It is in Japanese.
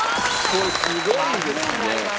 これすごいですね。